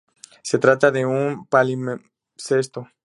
Se trata de un palimpsesto.